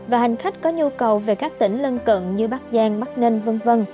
và hành khách có nhu cầu về các tỉnh lân cận như bắc giang bắc ninh v v